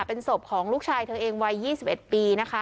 เป็นศพของลูกชายเธอเองวัย๒๑ปีนะคะ